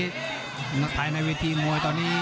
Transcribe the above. หมดถ่ายในวิธีมวลตอนนี้